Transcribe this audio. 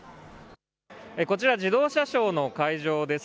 こちら自動車ショーの会場です。